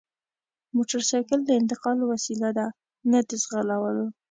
موټرسایکل د انتقال وسیله ده نه د ځغلولو!